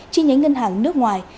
trên nhánh ngân hàng nước ngoài